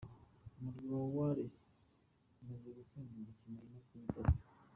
Umurwi wa Wales umaze gutsinda imikino ine kuri itanu.